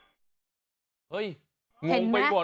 ล่านอนไปได้ยังไงครับ